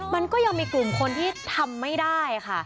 มันก็ยังมีกลุ่มคนที่ทำไม่ได้ค่ะ